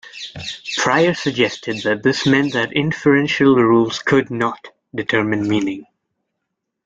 Prior suggested that this meant that inferential rules could "not" determine meaning.